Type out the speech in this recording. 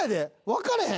分かれへん？